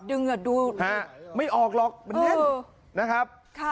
ดึงอ่ะดูฮะไม่ออกหรอกเออนะครับค่ะ